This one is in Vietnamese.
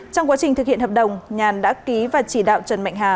trong quá trình thực hiện hợp đồng nhàn đã ký và chỉ đạo trần mạnh hà